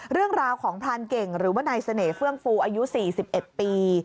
เรื่องราวของพรานเก่งหรือว่านายเสน่หื่องฟูอายุ๔๑ปี